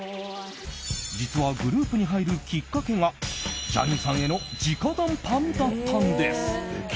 実はグループに入るきっかけがジャニーさんへの直談判だったんです。